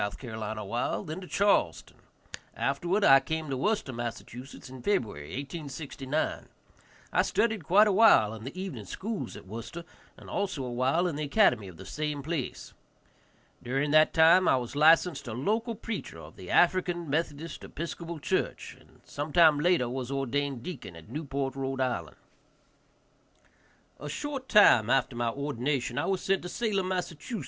awhile, then to Charleston. Afterward I came to Worcester, Mass., in February, 1869. I studied quite a while in the evening schools at Worcester, and also a while in the academy of the same place. During that time I was licensed a local preacher of the African Methodist Episcopal church, and sometime later was ordained deacon at Newport, R.I. A short time after my ordination I was sent to Salem, Mass.